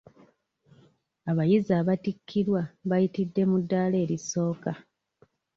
Abayizi abattikkirwa bayitidde mu ddaala erisooka.